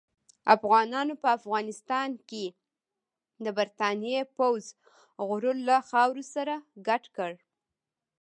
افغانانو په افغانستان کې د برتانیې پوځ غرور له خاورو سره ګډ کړ.